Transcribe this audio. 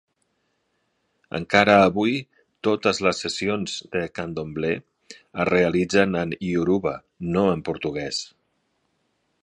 Encara avui, totes les sessions de candomblé es realitzen en ioruba, no en portuguès.